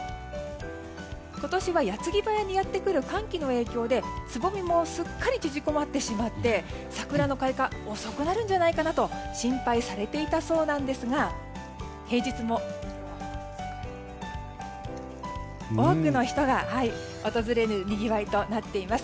今年は矢継ぎ早にやってくる寒気の影響でつぼみもすっかり縮こまってしまって桜の開花遅くなるんじゃないかなと心配されていたそうですが平日も多くの人が訪れるにぎわいとなっています。